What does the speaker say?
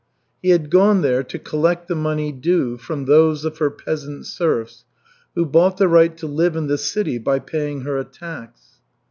He had gone there to collect the money due from those of her peasant serfs who bought the right to live in the city by paying her a tax.